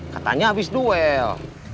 katanya habis duel